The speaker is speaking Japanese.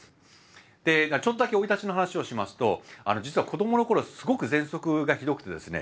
でちょっとだけ生い立ちの話をしますと実は子どもの頃すごくぜんそくがひどくてですね